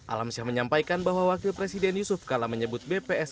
alamsyah menyampaikan bahwa wakil presiden yusuf kala menyebut bps